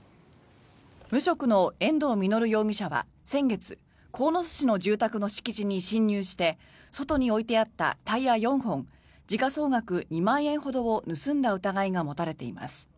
無職の遠藤実容疑者は先月鴻巣市の住宅の敷地に侵入して外に置いてあったタイヤ４本時価総額２万円ほどを盗んだ疑いが持たれています。